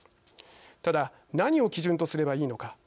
ただ、何を基準とすればいいのか。